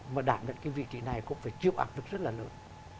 mà đảm nhận cái vị trí này cũng phải chịu áp lực rất là lớn